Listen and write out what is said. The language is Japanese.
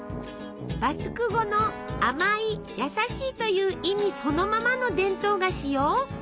バスク語の「甘い」「優しい」という意味そのままの伝統菓子よ。